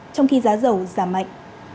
trong khi giá dầu giảm mạnh